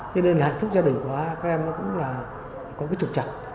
cho nên hạnh phúc gia đình của các em cũng có trục trặc